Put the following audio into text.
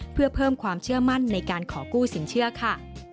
เพื่อเพิ่มความเชื่อมั่นในการขอกู้สินเชื่อค่ะ